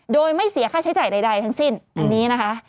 โดยไม่เสียค่าใช้จ่ายใดทั้งสิ้นอันนี้นะคะ